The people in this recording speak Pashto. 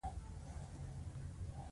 مصنوعي ځیرکتیا د زده کړې سرعت تنظیموي.